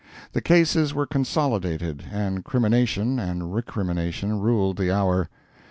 The cases were consolidated, and crimination and recrimination ruled the hour.